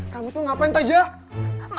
kamu tuh ngapain teja